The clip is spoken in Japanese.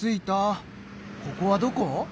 ここはどこ？